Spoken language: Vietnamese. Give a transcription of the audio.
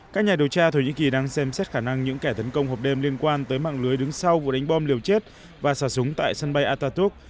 các nhà điều tra thổ nhĩ kỳ đang xem xét khả năng những kẻ tấn công hộp đêm liên quan tới mạng lưới đứng sau vụ đánh bom liều chết và xả súng tại sân bay attatus